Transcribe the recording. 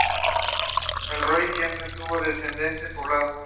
El Ries siempre estuvo densamente poblado.